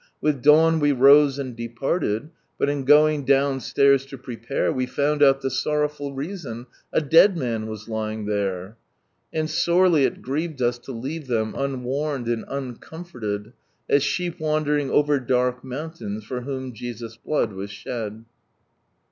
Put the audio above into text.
With dawn we rose and departed, but in going downstairs ID prepare. We founil out the sorrowful reason, a dead man vas lying iMtrt. And sorely it grieved us to leave ihem, unwarned, and uncomfurted, A* iheep wandering over dark monntaina, for whom Jesus' blood WM abed.